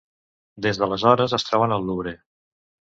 Des d'aleshores es troben al Louvre.